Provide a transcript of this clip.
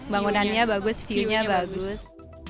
bangunannya bagus view nya bagus